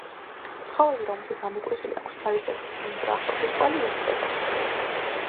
ცხოველი, რომელსაც ამოკვეთილი აქვს ფარისებრახლო ჯირკვალი, იღუპება.